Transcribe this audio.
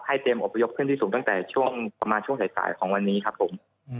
ให้เต็มอพยพเพื่อนที่สูงตั้งแต่ประมาณช่วงสายสายของวันนี้ครับผม